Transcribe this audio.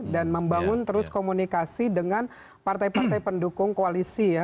dan membangun terus komunikasi dengan partai partai pendukung koalisi ya